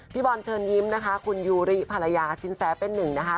บอลเชิญยิ้มนะคะคุณยูริภรรยาสินแสเป็นหนึ่งนะคะ